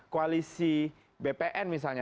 koalisi bpn misalnya